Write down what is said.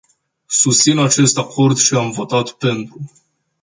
Susțin acest acord și am votat "pentru”.